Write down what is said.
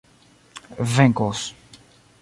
venkos